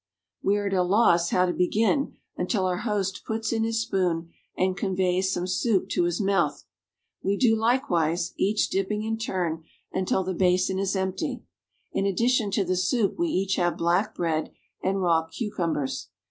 We are at a loss how to begin until our host puts in his spoon and conveys some soup to his mouth. We do likewise, each dipping in turn until the basin is empty. In addition to the soup we each have black bread and raw cucumbers.